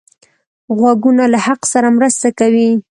غوږونه له حق سره مرسته کوي